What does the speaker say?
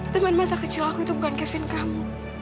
teman masa kecil aku itu bukan kevin kamu